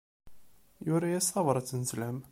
Yura-yas tabrat n sslam.